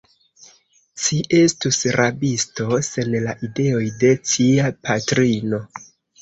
Ci estus rabisto, sen la ideoj de cia patrino.